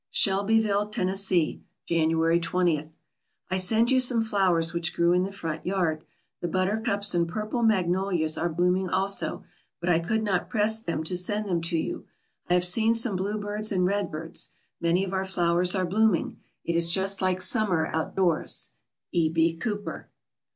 SHELBYVILLE, TENNESSEE, January 20. I send you some flowers which grew in the front yard. The buttercups and purple magnolias are blooming also, but I could not press them to send them to you. I have seen some bluebirds and redbirds. Many of our flowers are blooming. It is just like summer out doors. E. B. COOPER.